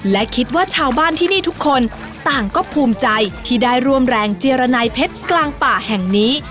และคิดว่าชาวบ้านที่นี่ทุกคนต่างก็ภูมิใจที่ได้ร่วมแรงเจรนายเพชรกลางป่าแห่งนี้